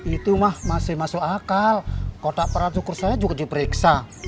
itu mah masih masuk akal kotak peratukur saya juga diperiksa